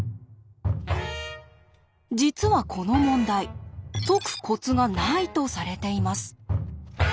実はこの問題「解くコツがない」とされています。